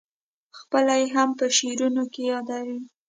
خپله یې هم په شعرونو کې یادوې.